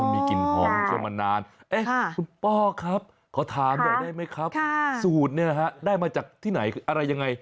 มีกลิ่นหอมกันมานานคุณป้อครับขอถามหน่อยได้ไหมครับสูตรเนี่ยนะฮะได้มาจากที่ไหนอะไรยังไง